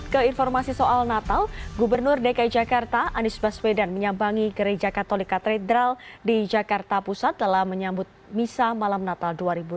ke informasi soal natal gubernur dki jakarta anies baswedan menyambangi gereja katolik katedral di jakarta pusat dalam menyambut misa malam natal dua ribu delapan belas